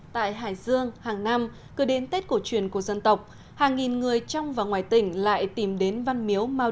tại hải dương hàng năm cứ đến tết cổ truyền của dân tộc hàng nghìn người trong và ngoài tỉnh lại tìm đến văn miếu mau